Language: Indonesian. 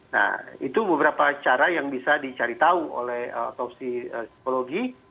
nah itu beberapa cara yang bisa dicari tahu oleh otopsi psikologi